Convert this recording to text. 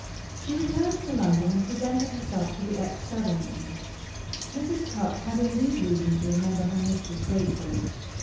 She returned to London and presented herself to the ex serving woman. Mrs. Cupp had indeed reason to remember her mistress gratefully.